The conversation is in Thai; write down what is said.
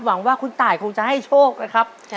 หวังว่าคุณตายคงจะให้โชคนะครับ